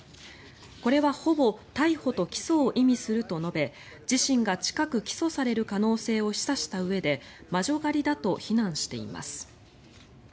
これは、ほぼ逮捕と起訴を意味すると述べ自身が近く起訴される可能性を示唆したうえで魔女狩りだと非難しています。